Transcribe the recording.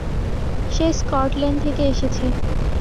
সে Scotland থেকে এসেছে।